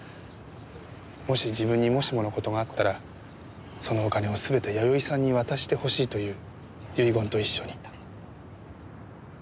もし自分にもしもの事があったらそのお金を全て弥生さんに渡してほしいという遺言と一緒に。